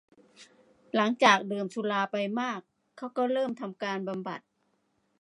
หลังจากดื่มสุราไปมากเขาก็เริ่มทำการบำบัด